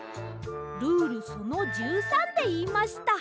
ルールその１３でいいました。